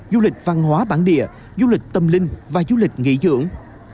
du lịch văn hóa bản địa du lịch tâm linh và du lịch nghỉ dưỡng